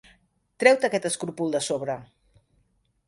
Treu-te aquest escrúpol de sobre!